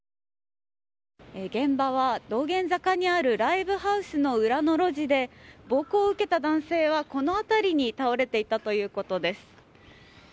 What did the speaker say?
現場は道玄坂にあるライブハウスの裏の路地で暴行を受けた男性はこの辺りに倒れていたということです。